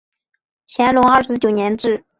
乾隆二十九年置。